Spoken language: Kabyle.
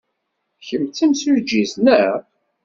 Kemm d timsujjit, naɣ?